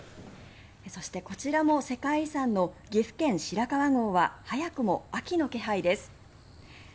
こちらも世界遺産の岐阜県・白川郷は早くも秋の気配です。